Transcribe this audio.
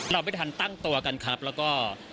ไม่ทันตั้งตัวกันครับแล้วก็